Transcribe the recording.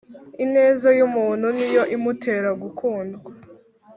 Ineza yumuntu niyo imutera gukundwa